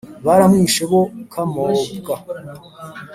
baramwishe bo kamobwa.